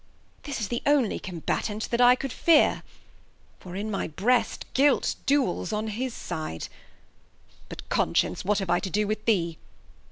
This is the onely Combatant that I cou'd fear ? For in my Breast Guilt Duels on his Side, But, Conscience, what have I to do with thee